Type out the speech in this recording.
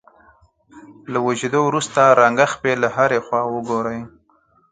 له وچېدو وروسته رنګه خپې له هرې خوا وګورئ.